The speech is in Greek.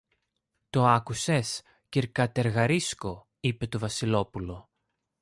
Το άκουσες, κυρ-Κατεργαρίσκο; είπε το Βασιλόπουλο.